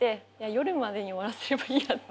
夜までに終わらせればいいやっていう